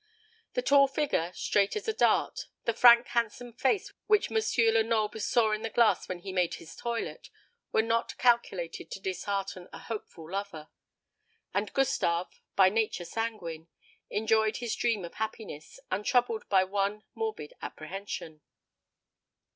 The tall figure, straight as a dart; the frank handsome face which M. Lenoble saw in the glass when he made his toilet, were not calculated to dishearten a hopeful lover; and Gustave, by nature sanguine, enjoyed his dream of happiness, untroubled by one morbid apprehension.